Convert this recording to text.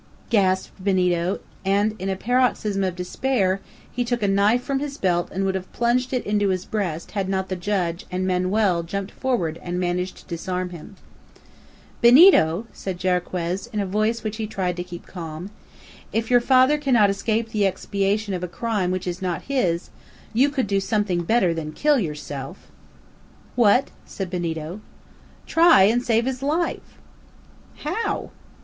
gasped Benito, and in a paroxysm of despair he took a knife from his belt and would have plunged it into his breast had not the judge and Manoel jumped forward and managed to disarm him. "Benito," said Jarriquez, in a voice which he tried to keep calm, "if you father cannot escape the expiation of a crime which is not his, you could do something better than kill yourself." "What?" said Benito. "Try and save his life!" "How?"